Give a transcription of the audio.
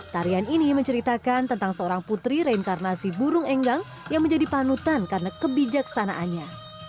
tarian ini menceritakan tentang seorang putri reinkarnasi burung enggang yang menjadi panutan karena kebijaksanaannya